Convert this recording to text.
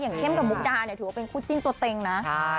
อย่างเข้มกับมุกดาถือว่าเป็นคู่จิ้นตัวเต็งนะ